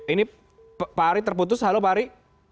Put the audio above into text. ini pak ari terputus halo pak ari